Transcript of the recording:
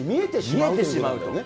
見えてしまうと。